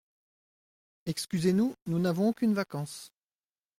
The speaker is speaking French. Excusez-nous, nous n’avons aucunes vacances.